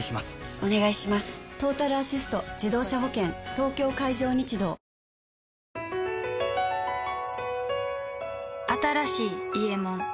東京海上日動新しい「伊右衛門」